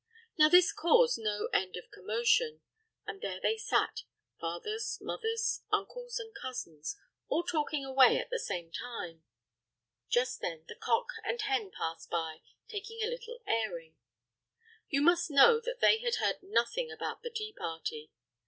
Now this caused no end of commotion. And there they sat—fathers, mothers, uncles, and cousins, all talking away at the same time. Just then the cock and hen passed by, taking a little airing. You must know that they had heard nothing about the teaparty.